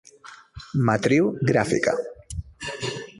Matriu gràfica.